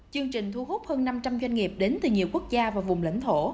chương trình thu hút hơn năm trăm linh doanh nghiệp đến từ nhiều quốc gia và vùng lãnh thổ